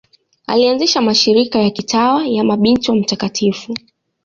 Alianzisha mashirika ya kitawa ya Mabinti wa Mt.